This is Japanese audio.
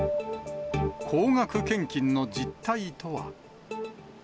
高額献金の実態とは。